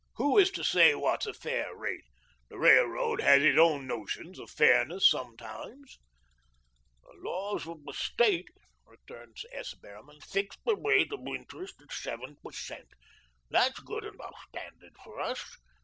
Who is to say what's a fair rate? The railroad has its own notions of fairness sometimes." "The laws of the State," returned S. Behrman, "fix the rate of interest at seven per cent. That's a good enough standard for us.